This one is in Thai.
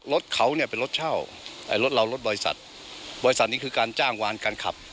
รถเขาเนี่ยเป็นรถเช่าไอ้รถเรารถบริษัทบริษัทนี้คือการจ้างวานการขับ